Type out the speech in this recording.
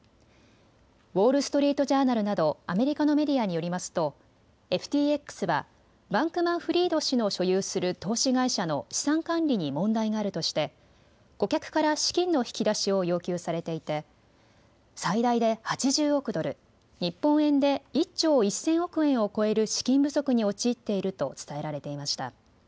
ウォール・ストリート・ジャーナルなどアメリカのメディアによりますとＦＴＸはバンクマン・フリード氏の所有する投資会社の資産管理に問題があるとして顧客から資金の引き出しを要求されていて最大で８０億ドル、日本円で１兆１０００億円を超える資金不足に陥っていると伝えられていました。